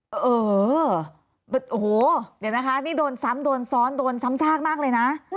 โอ้โหเดี๋ยวนะคะนี่โดนซ้ำโดนซ้อนโดนซ้ำซากมากเลยนะ